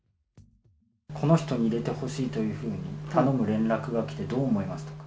この人に入れてほしいというふうに頼む連絡が来て、どう思いましたか？